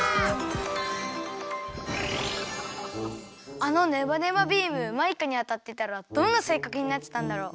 あのネバネバビームマイカにあたってたらどんなせいかくになってたんだろう？